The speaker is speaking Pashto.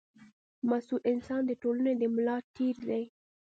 مسوول انسان د ټولنې د ملا تېر دی.